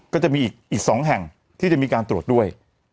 ก็จะมีอีก๒แห่งที่จะมีการตรวจด้วย